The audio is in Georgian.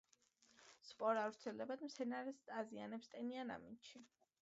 სპორა ვრცელდება და მცენარეს აზიანებს ტენიან ამინდში.